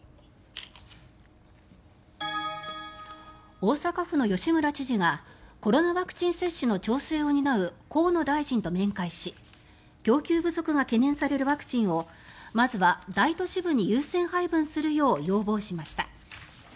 大阪府の吉村知事がコロナワクチン接種の調整を担う河野大臣と面会し供給不足が懸念されるワクチンをまずは大都市部に優先配分するよう要望しました。